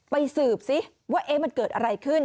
ไปสืบสิว่ามันเกิดอะไรขึ้น